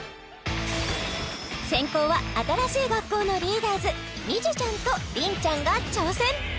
先攻は新しい学校のリーダーズＭＩＺＹＵちゃんとＲＩＮちゃんが挑戦